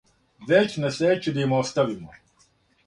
Већ на срећу да им оставимо,